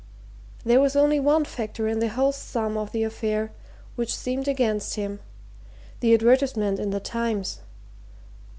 There was only one factor in the whole sum of the affair which seemed against him the advertisement in the Times.